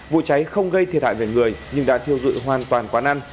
vụ cháy không gây thiệt hại về người nhưng đã thiêu dụi hoàn toàn quán ăn